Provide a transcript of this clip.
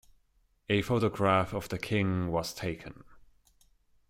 A photograph of the king was taken.